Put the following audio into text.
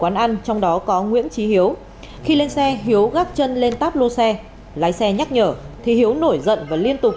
quán ăn trong đó có nguyễn trí hiếu khi lên xe hiếu gác chân lên táp lô xe lái xe nhắc nhở thì hiếu nổi giận và liên tục